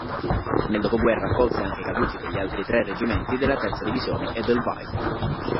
Nel dopoguerra accolse anche i caduti degli altri tre reggimenti della terza divisione "Edelweiss".